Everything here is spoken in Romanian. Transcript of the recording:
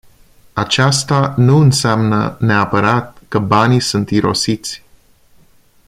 Aceasta nu înseamnă neapărat că banii sunt irosiți.